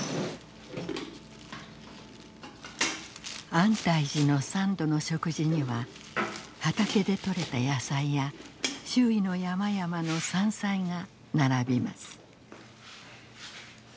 安泰寺の三度の食事には畑でとれた野菜や周囲の山々の山菜が並びます。